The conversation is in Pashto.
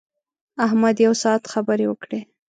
احمد یو ساعت خبرې وکړې.